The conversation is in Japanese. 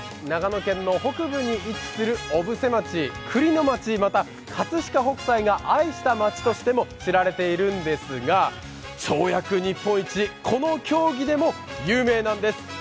長野県の北部に位置する小布施町、くりの町、また葛飾北斎が愛した町としても知られているんですが、跳躍日本一、この競技でも有名なんです。